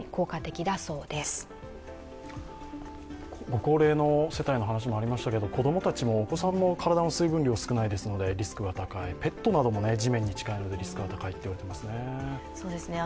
ご高齢の話もありましたけれども、子供たち、お子さんも体の水分量少ないですのでリスクは高い、ペットなども地面に近いのでリスクが高いと言われていますね。